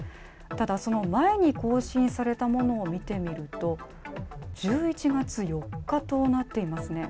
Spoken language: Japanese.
ただ、その前に更新されたものを見てみると、１１月４日となっています。